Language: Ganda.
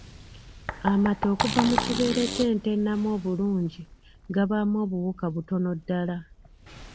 Amata okuva mu kibeere ky’ente ennamu obulungi gabaamu obuwuka butono ddala.